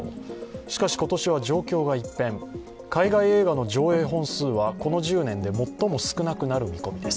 しかし、今年は状況が一変、海外映画の上映本数はこの１０年で最も少なくなる見込みです。